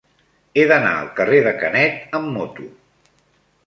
He d'anar al carrer de Canet amb moto.